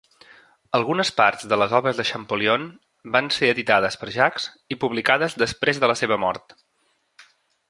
Algunes parts de les obres de Champollion van ser editades per Jacques i publicades després de la seva mort.